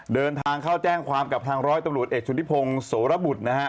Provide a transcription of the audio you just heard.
เดินทางเข้าแจ้งความกับทางร้อยตำรวจเอกชุติพงศ์โสรบุตรนะฮะ